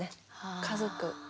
家族。